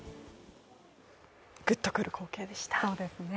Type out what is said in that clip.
ぐっとくる光景でした。